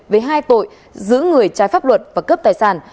với hai tội giữ người trái pháp luật và cướp tài sản